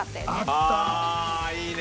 ああいいね。